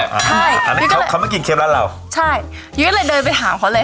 ใช่อันนั้นเค้าไม่กินเคฟร้านเราใช่ยุ้ยก็เลยเดินไปถามเค้าเลย